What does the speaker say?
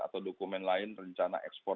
atau dokumen lain rencana ekspor